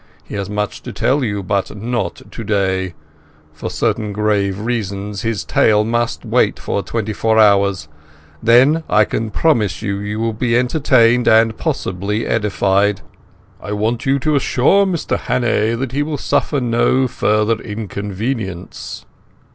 He has much to tell you, but not today. For certain grave reasons his tale must wait for four hours. Then, I can promise you, you will be entertained and possibly edified. I want you to assure Mr Hannay that he will suffer no further inconvenience."